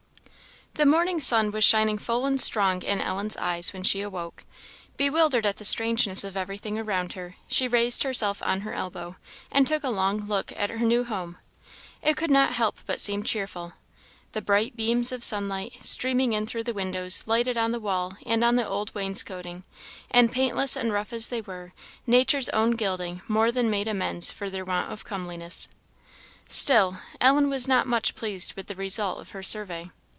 The morning sun was shining full and strong in Ellen's eyes when she awoke. Bewildered at the strangeness of everything around her, she raised herself on her elbow, and took a long look at her new home. It could not help but seem cheerful. The bright beams of sunlight, streaming in through the windows, lighted on the wall and the old wainscoting; and paintless and rough as they were, nature's own gilding more than made amends for their want of comeliness. Still Ellen was not much pleased with the result of her survey.